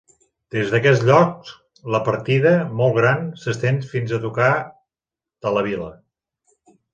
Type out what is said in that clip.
Des d'aquest lloc, la partida, molt gran, s'estén fins a tocar de la vila.